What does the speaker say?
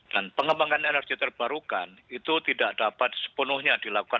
dan pengembangan energi terbarukan itu tidak dapat sepenuhnya dilakukan